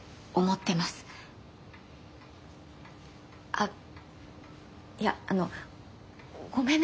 あっいやあのごめんなさい。